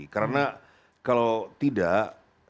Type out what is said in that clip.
karena kalau tidak